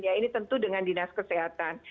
ya ini tentu dengan dinas kesehatan